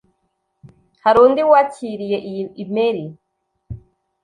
Hari undi wakiriye iyi imeri?